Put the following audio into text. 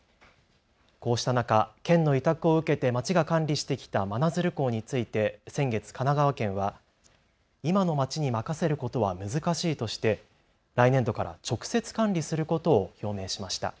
こうした中、県の委託を受けて町が管理してきた真鶴港について先月、神奈川県は今の町に任せることは難しいとして来年度から直接管理することを表明しました。